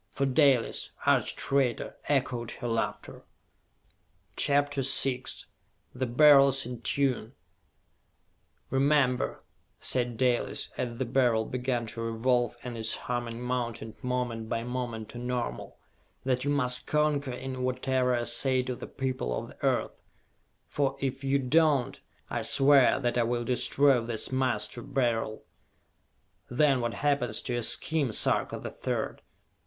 For Dalis, arch traitor, echoed her laughter! CHAPTER VI The Beryls in Tune "Remember," said Dalis, as the Beryl began to revolve and its humming mounted moment by moment to normal, "that you must concur in whatever I say to the people of the Earth for if you do not, I swear that I will destroy this Master Beryl! Then what happens to your scheme, Sarka the Third?